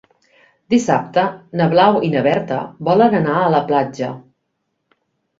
Dissabte na Blau i na Berta volen anar a la platja.